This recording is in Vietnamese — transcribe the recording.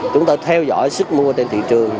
chúng tôi theo dõi sức mua trên thị trường